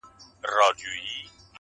چا په نيمه شپه كي غوښتله ښكارونه!!